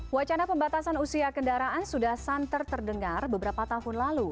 wacana pembatasan usia kendaraan sudah santer terdengar beberapa tahun lalu